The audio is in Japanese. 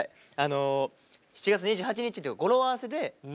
７月２８日っていう語呂合わせでなにわの日。